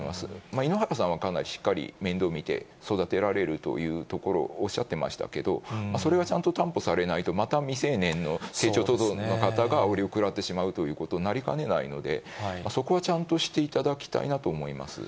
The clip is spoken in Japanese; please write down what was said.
井ノ原さんはかなりしっかり面倒見て、育てられるということをおっしゃっていましたけれども、それがちゃんと担保されないと、また未成年の成長途上の方があおりをくらってしまうということになりかねないので、そこちゃんとしていただきたいなと思います。